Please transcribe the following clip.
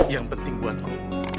yang penting buatku